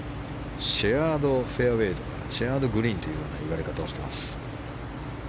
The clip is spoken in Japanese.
シェアードフェアウェーシェアードグリーンという言われ方をしています。